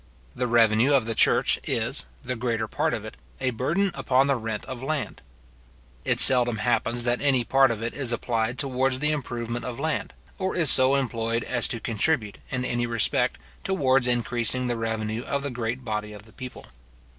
The revenue of the church is, the greater part of it, a burden upon the rent of land. It seldom happens that any part of it is applied towards the improvement of land; or is so employed as to contribute, in any respect, towards increasing the revenue of the great body of the people.